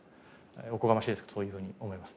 おこがましいですけどそういうふうに思います。